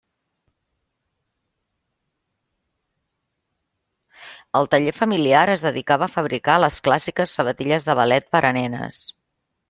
El taller familiar es dedicava a fabricar les clàssiques sabatilles de ballet per a nenes.